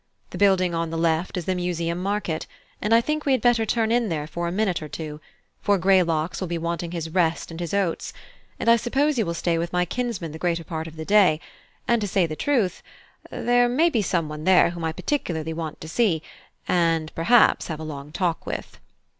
The building on the left is the Museum Market, and I think we had better turn in there for a minute or two; for Greylocks will be wanting his rest and his oats; and I suppose you will stay with my kinsman the greater part of the day; and to say the truth, there may be some one there whom I particularly want to see, and perhaps have a long talk with."